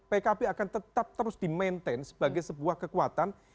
pkb akan tetap terus di maintain sebagai sebuah kekuatan